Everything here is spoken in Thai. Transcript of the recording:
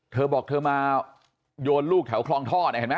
เธอบอกเธอมาโยนลูกแถวคลองท่อเนี่ยเห็นมั้ย